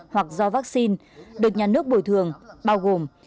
hoặc do vaccine được nhà nước bồi thường bao gồm